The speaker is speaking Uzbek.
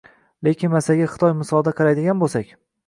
Lekin masalaga Xitoy misolida qaraydigan boʻlsak